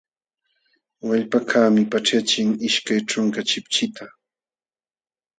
Wallpakaqmi paćhyaqchik ishkay ćhunka chipchita.